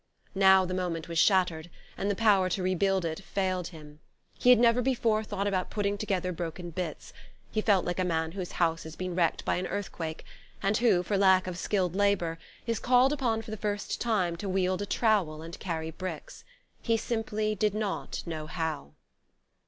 Now the moment was shattered, and the power to rebuild it failed him. He had never before thought about putting together broken bits: he felt like a man whose house has been wrecked by an earthquake, and who, for lack of skilled labour, is called upon for the first time to wield a trowel and carry bricks. He simply did not know how.